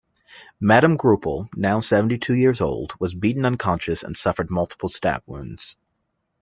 Madame Groupil, now seventy-two years old, was beaten unconscious and suffered multiple stab wounds.